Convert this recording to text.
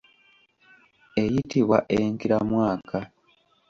Eyitibwa enkiramwaka.